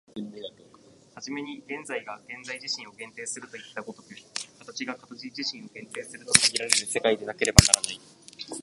始めに現在が現在自身を限定するといった如く、形が形自身を限定すると考えられる世界でなければならない。